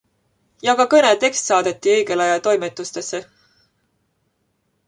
Ja ka kõne tekst saadeti õigel ajal toimetustesse.